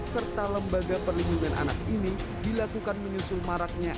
serta lembaga perlindungan anak ini dilakukan menyusul maraknya